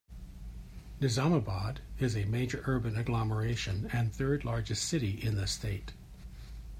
Nizamabad is a major urban agglomeration and third largest city in the state.